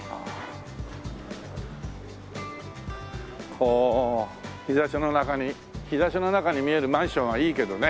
こう日差しの中に日差しの中に見えるマンションはいいけどね。